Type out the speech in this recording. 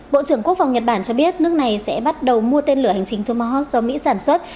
bộ trưởng quốc phòng nhật bản cho biết nước này sẽ bắt đầu mua tên lửa hành trình tomahawk do mỹ sản xuất